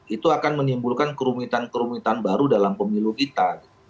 itu akan menimbulkan kerumitan kerumitan baru dalam pemilu kita